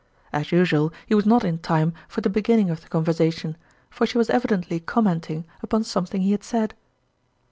As usual, he was not in time for the begin 84 ning of the conversation, for she was evidently commenting upon something he had said.